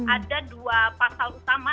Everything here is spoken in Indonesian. ada dua pasal utama